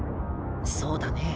そうだね。